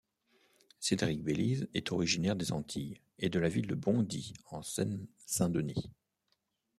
Cédric Bélise est originaire des Antilles et de la ville de Bondy, en Seine-Saint-Denis.